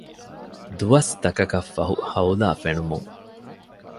ދުވަސްތަކަކަށްފަހު ހައުލާ ފެނުމުން